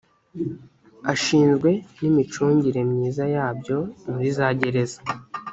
ashinzwe n’imicungire myiza yabyo muri za gereza